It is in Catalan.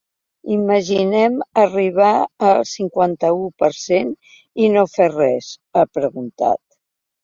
Imaginem arribar al cinquanta-u per cent i no fer res?, ha preguntat.